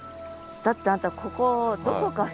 だってあんたここどこか知ってる？